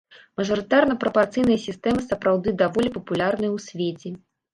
Мажарытарна-прапарцыйная сістэма сапраўды даволі папулярная ў свеце.